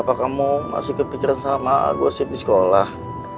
apa kamu masih kepikiran sama agus di sekolah